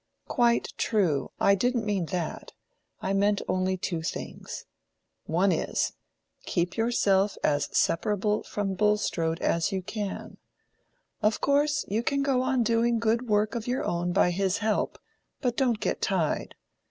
"Quite true; I didn't mean that. I meant only two things. One is, keep yourself as separable from Bulstrode as you can: of course, you can go on doing good work of your own by his help; but don't get tied.